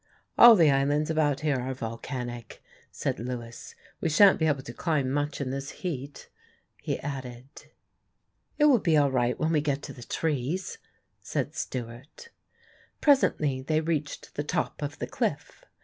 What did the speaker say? "All the islands about here are volcanic," said Lewis. "We shan't be able to climb much in this heat," he added. "It will be all right when we get to the trees," said Stewart. Presently they reached the top of the cliff.